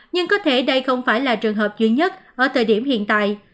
nhưng có thể đây không phải là trường hợp duy nhất ở thời điểm hiện tại